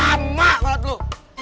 eh lama banget lu